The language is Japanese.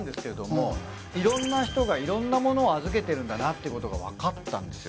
いろんな人がいろんなものを預けてるんだなっていうことがわかったんですよ。